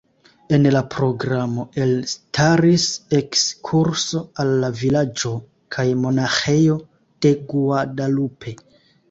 En la programo elstaris ekskurso al la vilaĝo kaj monaĥejo de Guadalupe.